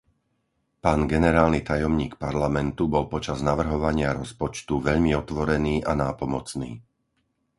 Pán generálny tajomník Parlamentu bol počas navrhovania rozpočtu veľmi otvorený a nápomocný.